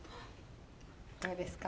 どうですか？